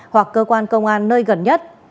hoặc cơ quan công an nơi gần nhất